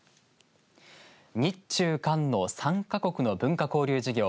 日中韓の３か国の文化交流事業